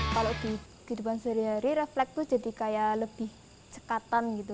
kalau di kehidupan sehari hari refleks itu jadi kayak lebih cekatan gitu